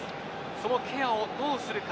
そのケアをどうするか。